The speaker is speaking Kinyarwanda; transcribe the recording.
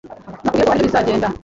Nakubwiye ko aribyo bizagenda.